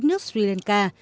ở sri lanka